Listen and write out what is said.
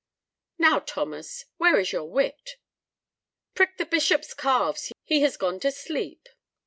"Now, Thomas, where is your wit?" "Prick the bishop's calves, he has gone to sleep."